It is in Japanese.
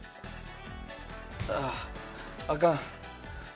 あああかん。